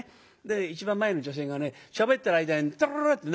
一番前の女性がねしゃべってる間にトゥルルルって鳴ったんですよね。